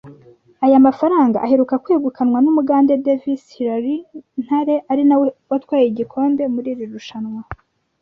Aya mafaranga aheruka kwegukanwa n’umugande Davis Hillary Ntare ari nawe watwaye iki gikombe muri iri rushanwa